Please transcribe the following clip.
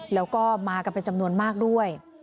แล้วก็มากันเป็นจำนวนมากด้วย